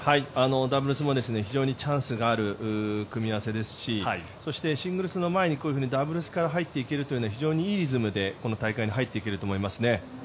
ダブルスも非常にチャンスがある組み合わせですしそして、シングルスの前にこういうふうにダブルスから入っていけるのはいいリズムで、大会に入っていけると思いますね。